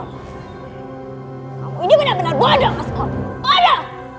kamu ini benar benar bodoh asgore bodoh